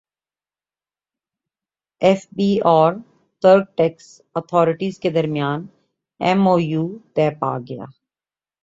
F B اور ترک tax authorities کے درمیان ایم او یو طے پاگیا